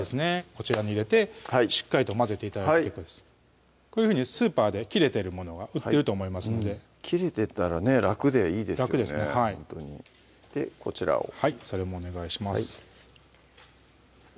こちらに入れてしっかりと混ぜて頂いて結構ですこういうふうにスーパーで切れてるものが売ってると思いますので切れてたらね楽でいいですよねでこちらをはいそれもお願いします